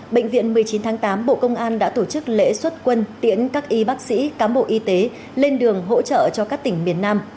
bệnh viện một mươi chín tháng tám bộ công an đã tổ chức lễ xuất quân tiễn các y bác sĩ cám bộ y tế lên đường hỗ trợ cho các tỉnh miền nam